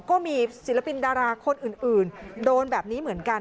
ก็มีศิลปินดาราคนอื่นโดนแบบนี้เหมือนกัน